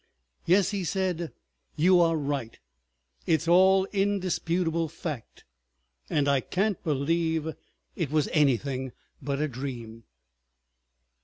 "Yes," he said, "you are right. It's all indisputable fact, and I can't believe it was anything but a dream."